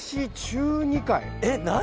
えっ何？